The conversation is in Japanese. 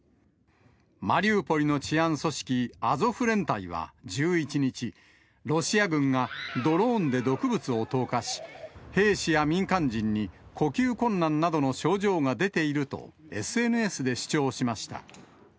マリウポリの治安組織、アゾフ連隊は１１日、ロシア軍がドローンで毒物を投下し、兵士や民間人に呼吸困難などの症状が出ていると、ＳＮＳで主張しました。